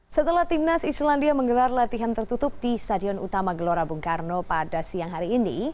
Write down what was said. setelah timnas islandia menggelar latihan tertutup di stadion utama gelora bung karno pada siang hari ini